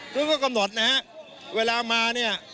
ทุกคนก็กำหนดนะครับเวลามาเนี่ย